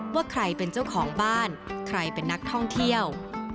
ว่าใครเป็นเจ้าของบ้านใครเป็นนักท่องเที่ยว